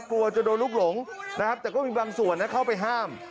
กลัวจะโดนลูกหลงนะครับแต่ก็มีบางส่วนนะเข้าไปห้าม